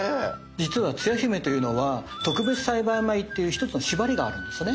実はつや姫というのは特別栽培米っていう一つの縛りがあるんですね。